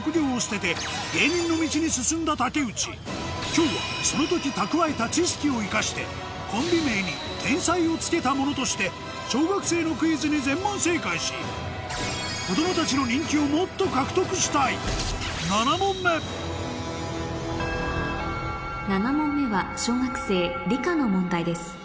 今日はその時蓄えた知識を生かしてコンビ名に「天才」を付けた者として小学生のクイズに全問正解し７問目は小学生理科の問題です